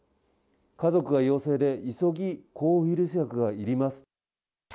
家族が陽性で急ぎ抗ウイルス薬がいります。